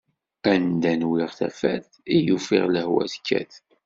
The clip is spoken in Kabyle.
Anda nwiɣ tafat i yufiɣ lehwa tekkat!